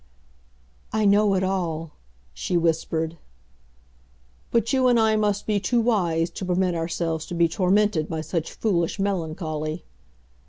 "I know it all," she whispered. "But you and I must be too wise to permit ourselves to be tormented by such foolish melancholy."